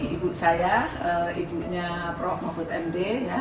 ibu saya ibunya prof mahfud md